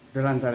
udah lancar ya